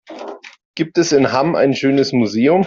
Gibt es in Hamm ein schönes Museum?